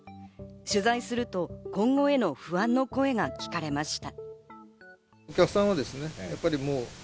取材すると、今後への不安の声が聞かれました。